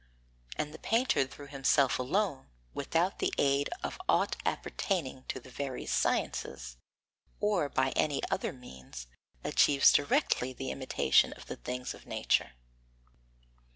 And the painter, through himself alone, without the aid of aught appertaining to the various sciences, or by any other means, achieves directly the imitation of the things of nature.